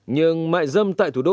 nhưng mại dâm tại thủ đô